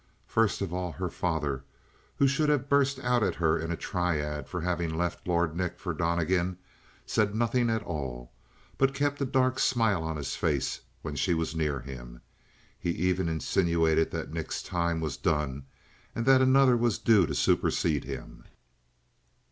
First of all, her father, who should have burst out at her in a tirade for having left Lord Nick for Donnegan said nothing at all, but kept a dark smile on his face when she was near him. He even insinuated that Nick's time was done and that another was due to supersede him.